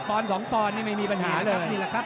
ปอนสองปอนไม่มีปัญหาเลย